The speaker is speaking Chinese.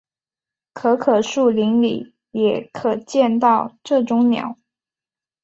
可可树林里也可见到这种鸟。